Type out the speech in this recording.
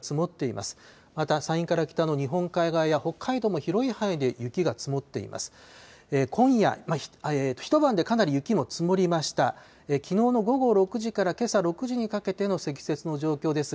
また山陰から北の日本海側や北海道も広い範囲で雪が積もっています。